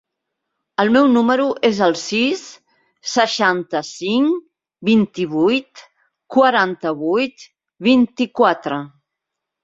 El meu número es el sis, seixanta-cinc, vint-i-vuit, quaranta-vuit, vint-i-quatre.